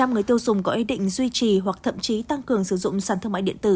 một mươi người tiêu dùng có ý định duy trì hoặc thậm chí tăng cường sử dụng sản thương mại điện tử